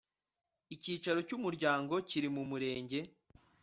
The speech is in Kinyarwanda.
icyicaro cy umuryango kiri mu murenge